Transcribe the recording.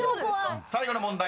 ［最後の問題